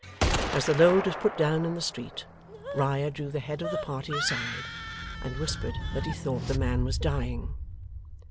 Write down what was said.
As the load was put down in the street, Riah drew the head of the party aside, and whispered that he thought the man was dying.